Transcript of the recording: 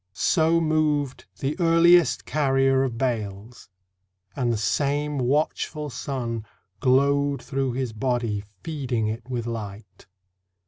So moved the earliest carrier of bales, And the same watchful sun Glowed through his body feeding it with light.